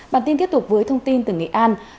bản tin tiếp tục với thông tin từ nghệ an